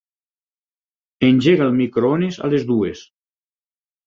Engega el microones a les dues.